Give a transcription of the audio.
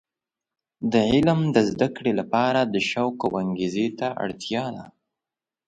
د علم د زده کړې لپاره د شوق او انګیزې ته اړتیا ده.